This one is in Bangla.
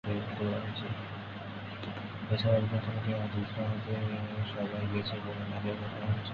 এছাড়া রবীন্দ্রনাথ ঠাকুরের "আজ জ্যোৎস্না রাতে সবাই গেছে বনে" গানটি ব্যবহার করা হয়েছে।